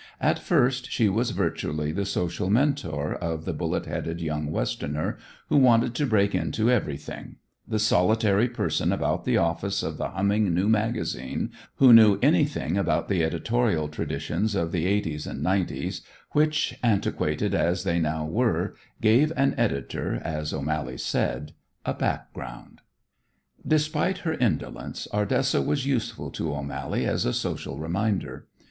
At first she was virtually the social mentor of the bullet headed young Westerner who wanted to break into everything, the solitary person about the office of the humming new magazine who knew anything about the editorial traditions of the eighties and nineties which, antiquated as they now were, gave an editor, as O'Mally said, a background. Despite her indolence, Ardessa was useful to O'Mally as a social reminder.